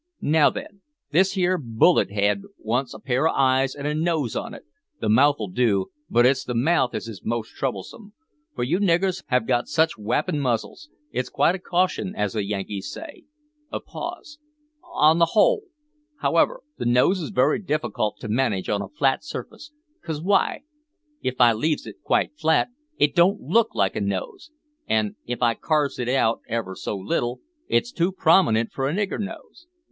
Now, then, this here bullet head wants a pair o' eyes an' a nose on it; the mouth'll do, but it's the mouth as is most troublesome, for you niggers have got such wappin' muzzles it's quite a caution, as the Yankees say," (a pause) "on the whole, however, the nose is very difficult to manage on a flat surface, 'cause w'y? if I leaves it quite flat, it don't look like a nose, an' if I carves it out ever so little, it's too prominent for a nigger nose.